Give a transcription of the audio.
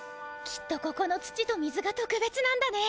きっとここの土と水がとくべつなんだね。